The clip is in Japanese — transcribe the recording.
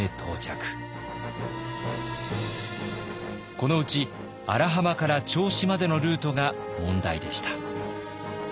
このうち荒浜から銚子までのルートが問題でした。